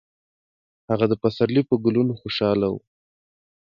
هغه د پسرلي په ګلونو خوشحاله و.